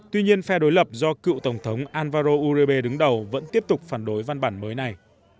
tuy nhiên phe đối lập do cựu tổng thống alvaro urebe đứng đầu vẫn tiếp tục phản đối văn bản mới này